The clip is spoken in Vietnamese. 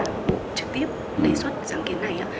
là trực tiếp đề xuất sáng kiến này